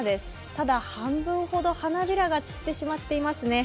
ただ半分ほど花びらが散ってしまっていますね。